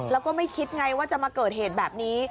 แล้วก็ไม่คิดไงว่าจะมาเกิดเหตุแบบนี้